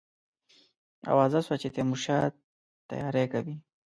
آوازه سوه چې تیمورشاه تیاری کوي.